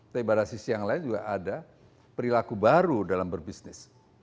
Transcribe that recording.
tapi pada sisi yang lain juga ada perilaku baru dalam berbisnis